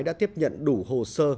đã tiếp nhận đủ hồ sơ